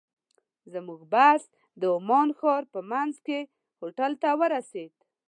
زموږ بس د عمان ښار په منځ کې هوټل ته ورسېد.